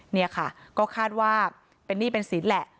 เนี้ยค่ะก็คาดว่าเป็นนี่เป็นศิลป์แหละ